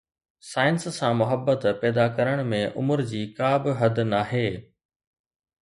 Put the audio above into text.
science سان محبت پيدا ڪرڻ ۾ عمر جي ڪا به حد ناهي